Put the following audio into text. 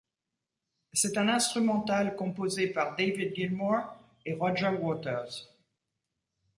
C'est un instrumental composé par David Gilmour et Roger Waters.